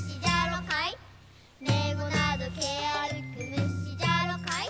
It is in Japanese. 「めごなどけあるくむしじゃろかい」